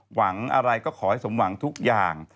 หวังอะไรก็ขอให้สมหวังทุกอย่าง